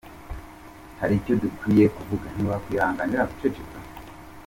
Hari icyo dukwiye kuvuga, ntiwakwihanganira guceceka.